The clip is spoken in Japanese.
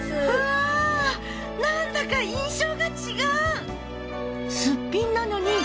わなんだか印象が違う！